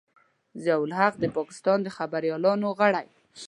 ضیا الحق د پاکستان د خبریالانو غړی.